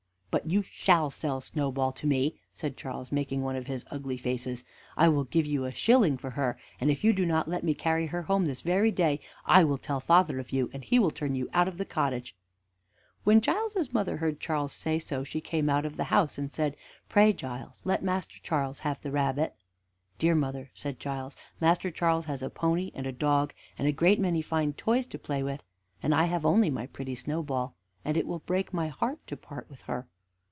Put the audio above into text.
"But you shall sell Snowball to me," said Charles, making one of his ugly faces. "I will give you a shilling for her; and if you do not let me carry her home this very day, I will tell father of you, and he will turn you out of the cottage." When Giles's mother heard Charles say so, she came out of the house, and said: "Pray, Giles, let Master Charles have the rabbit." "Dear mother," said Giles, "Master Charles has a pony and a dog, and a great many fine toys to play with, and I have only my pretty Snowball; and it will break my heart to part with her."